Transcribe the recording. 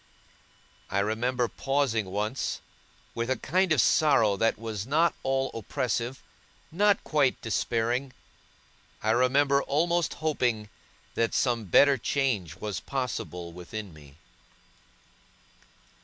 I remember pausing once, with a kind of sorrow that was not all oppressive, not quite despairing. I remember almost hoping that some better change was possible within me.